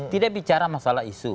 tidak bicara masalah isu